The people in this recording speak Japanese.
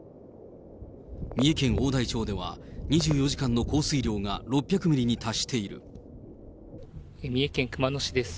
三重県おおだい町では、２４時間の降水量が６００ミリに達してい三重県熊野市です。